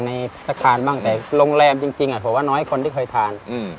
ในสถานบ้างแต่โรงแรมจริงจริงอ่ะถูกว่าน้อยคนที่เคยทานอืม